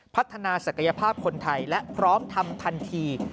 พัฒนาศักยภาพคนไทยและพร้อมทำทันที